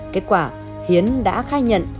kết quả hiến đã khai nhận